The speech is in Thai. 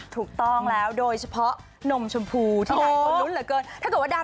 ถูกต้องแล้วโดยเฉพาะนมชมพูที่ใหญ่คนนทดนตรวจเยอะเกิน